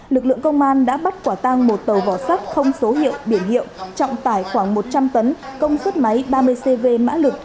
lực lượng công an đã bắt quả tang một tàu vỏ sắt không số hiệu biển hiệu trọng tải khoảng một trăm linh tấn công suất máy ba mươi cv mã lực